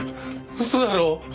嘘だろ！？